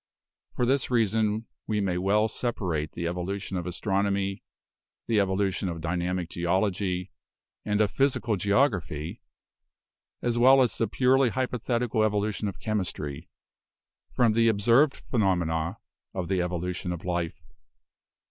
For this reason we may well separate the evolution of astronomy, the evolution of dynamic geology and of physical geography, as well as the purely hypothetical evolution of chemistry, from the ob served phenomena of the evolution of life.